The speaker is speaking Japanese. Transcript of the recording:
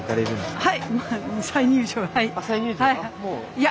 はい。